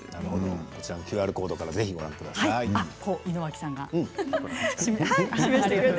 こちらのＱＲコードからぜひご覧ください。